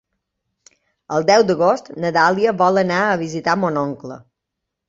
El deu d'agost na Dàlia vol anar a visitar mon oncle.